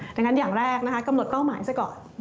ดังนั้นอย่างแรกนะคะกำหนดเป้าหมายซะก่อน